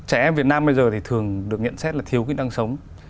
trẻ em việt nam bây giờ thì thường được nhận xét là thiếu kỹ năng sống